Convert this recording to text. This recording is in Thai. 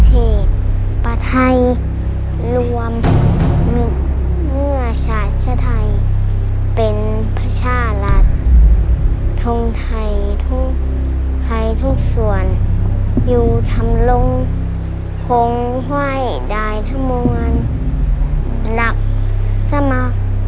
ตัวเลือกที่๒๖คำ